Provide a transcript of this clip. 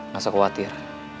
gak usah khawatir